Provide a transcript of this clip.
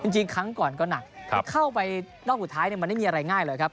จริงครั้งก่อนก็หนักที่เข้าไปรอบสุดท้ายมันไม่มีอะไรง่ายเลยครับ